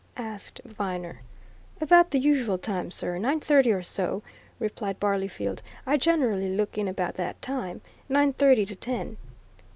asked Viner. "About the usual time, sir nine thirty or so," replied Barleyfield. "I generally look in about that time nine thirty to ten."